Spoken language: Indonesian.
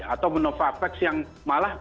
atau novavax yang malah baru